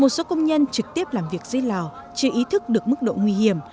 bên cạnh đó một số công nhân trực tiếp làm việc dưới lò chưa ý thức được mức độ nguy hiểm